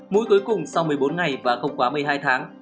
mũi cuối cùng sau một mươi bốn ngày và không quá một mươi hai tháng